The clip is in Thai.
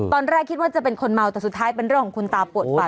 ตอนแรกคิดว่าจะเป็นคนเมาแต่สุดท้ายเป็นเรื่องของคุณตาปวดปาก